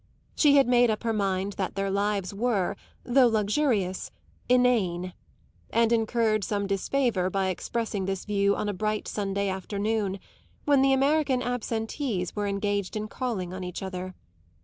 She made up her mind that their lives were, though luxurious, inane, and incurred some disfavour by expressing this view on bright Sunday afternoons, when the American absentees were engaged in calling on each other.